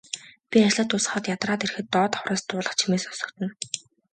Би ажлаа дуусгаад ядраад ирэхэд доод давхраас дуулах чимээ сонсогдоно.